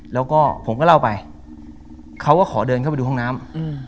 แล้วก็ผมก็เล่าไปเขาก็ขอเดินเข้าไปดูห้องน้ำอืม